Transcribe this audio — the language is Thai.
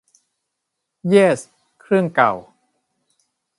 เยส เครื่องเก่า